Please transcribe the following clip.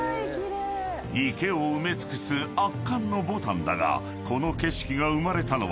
［池を埋め尽くす圧巻の牡丹だがこの景色が生まれたのは］